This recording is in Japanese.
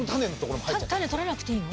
種取らなくていいの？